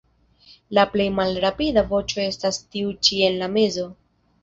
La plej malrapida voĉo estas tiu ĉi en la mezo.